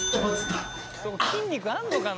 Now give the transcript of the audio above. そこ筋肉あんのかな？